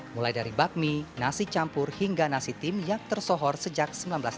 mulai dari bakmi nasi campur hingga nasi tim yang tersohor sejak seribu sembilan ratus enam puluh